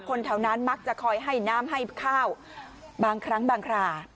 แถวนั้นมักจะคอยให้น้ำให้ข้าวบางครั้งบางครา